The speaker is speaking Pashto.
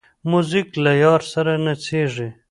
موزیک له یار سره نڅېږي.